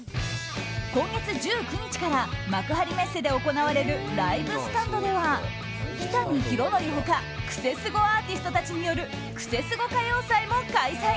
今月１９日から幕張メッセで行われる「ＬＩＶＥＳＴＡＮＤ」では日谷ヒロノリほかクセスゴアーティストたちによる「クセスゴ歌謡祭」も開催。